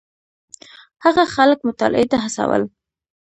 هغه خلک مطالعې ته هڅول.